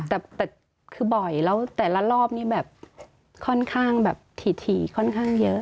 แต่คือบ่อยแล้วแต่ละรอบนี้แบบค่อนข้างแบบถี่ค่อนข้างเยอะ